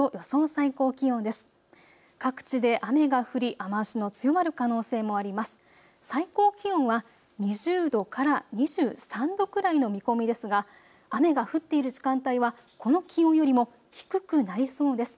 最高気温は２０度から２３度くらいの見込みですが雨が降っている時間帯はこの気温よりも低くなりそうです。